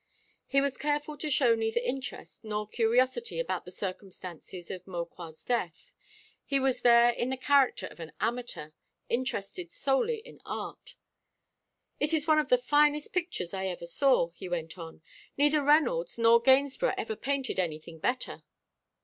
He was careful to show neither interest nor curiosity about the circumstances of Maucroix's death. He was there in the character of an amateur, interested solely in art. "It is one of the finest pictures I ever saw," he went on. "Neither Reynolds nor Gainsborough ever painted anything better."